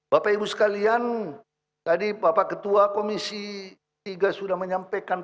bapak ibu sekalian tadi bapak ketua komisi tiga sudah menyampaikan